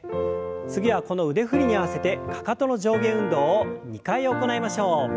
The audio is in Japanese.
次はこの腕振りに合わせてかかとの上下運動を２回行いましょう。